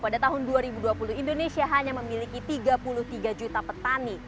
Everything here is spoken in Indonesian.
pada tahun dua ribu dua puluh indonesia hanya memiliki tiga puluh tiga juta petani